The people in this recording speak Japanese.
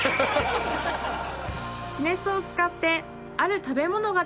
地熱を使ってある食べ物ができます。